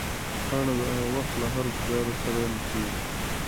پاڼه د وخت له هر ګوزار سره نڅېږي.